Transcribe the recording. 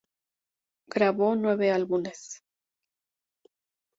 Grabó nueve álbumes.